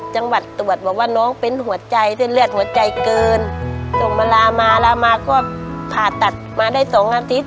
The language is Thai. จังหวัดตรวจบอกว่าน้องเป็นหัวใจเส้นเลือดหัวใจเกินส่งมาลามาลามาก็ผ่าตัดมาได้สองอาทิตย